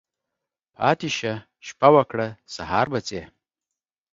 پاتی شه، شپه وکړه ، سهار به ځی.